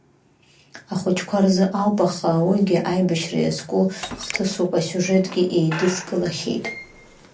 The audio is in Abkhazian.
Ахәычқәа рзы ауп аха, уигьы аибашьра иазку хҭысуп, асиужетгьы еидыскылахьеит.